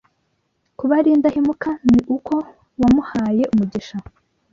kuba ari indahemuka ni uko wamuhaye umugisha